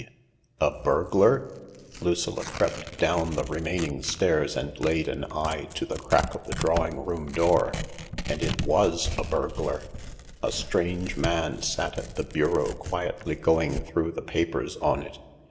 ? A burglar ? Lucilla crept down the remaining stairs and laid an eye to the crack of the drawing room door. And it was a burglar 1 278 THE LARK A strange man sat at the bureau quietly going through the papers on it.